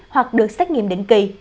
hoặc được xét nghiệm định kỳ